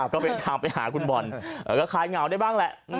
ก็เป็นทางไปหาคุณบอลก็คลายเหงาได้บ้างแหละ